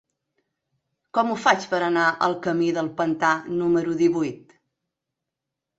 Com ho faig per anar al camí del Pantà número divuit?